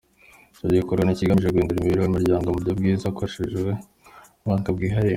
Icyo gikorwa ni ikigamije guhindura imibereho y’umuryango mu buryo bwiza hakoreshejwe ubuhanga bwihariye.